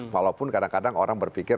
walaupun kadang kadang orang berpikir